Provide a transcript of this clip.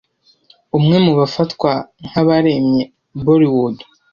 umwe mu bafatwa nkabaremye bollywood